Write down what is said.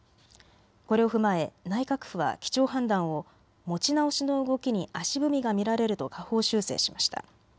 これを踏まえ内閣府は基調判断を持ち直しの動きに足踏みが見られると下方修正しました。